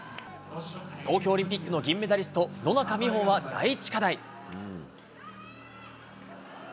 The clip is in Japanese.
東京オリンピックの銀メダリスト、野中生萌は第１課題。